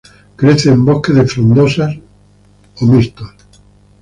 Crece en bosques de frondosas o mixtos.